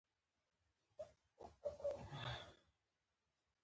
بادام د افغانستان په هره برخه کې په اسانۍ موندل کېږي.